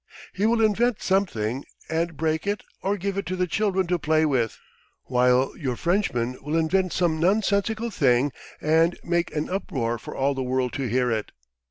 He will invent something and break it or give it to the children to play with, while your Frenchman will invent some nonsensical thing and make an uproar for all the world to hear it.